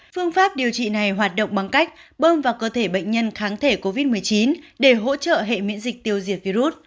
phương pháp điều trị này hoạt động bằng cách bơm vào cơ thể bệnh nhân kháng thể covid một mươi chín để hỗ trợ hệ miễn dịch tiêu diệt virus